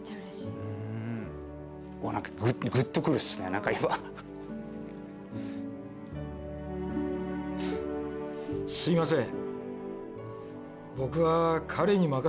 何か今すいません